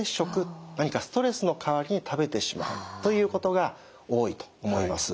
何かストレスの代わりに食べてしまうということが多いと思います。